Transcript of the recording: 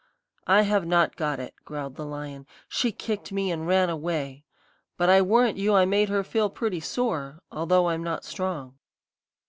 "'I have not got it,' growled the lion; 'she kicked me and ran away; but I warrant you I made her feel pretty sore, though I'm not strong.'